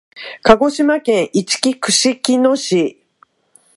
鹿児島県いちき串木野市